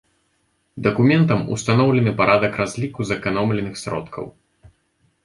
Дакументам устаноўлены парадак разліку зэканомленых сродкаў.